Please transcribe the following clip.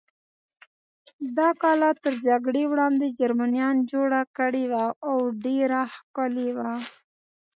دا کلا تر جګړې وړاندې جرمنیان جوړه کړې وه او ډېره ښکلې وه.